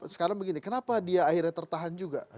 sekarang begini kenapa dia akhirnya tertahan juga